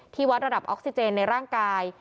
วัดระดับออกซิเจนในร่างกาย